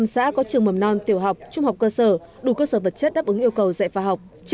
một trăm linh xã có trường mầm non tiểu học trung học cơ sở đủ cơ sở vật chất đáp ứng yêu cầu dạy pha học